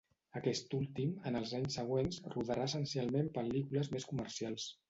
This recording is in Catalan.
Aquest últim, en els anys següents, rodarà essencialment pel·lícules més comercials.